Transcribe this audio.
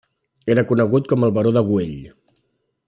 Era conegut com El baró de Güell.